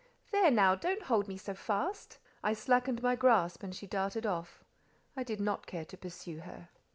There now. Don't hold me so fast." I slackened my grasp, and she darted off. I did not care to pursue her.